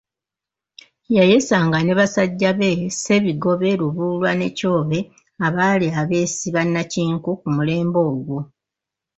Yayesanga ne basajja be Ssebigobe, Lubuulwa ne Kyobe abaali abeesi bannakinku ku mulembe ogwo.